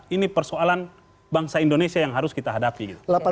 ini persoalan bangsa indonesia yang harus kita hadapi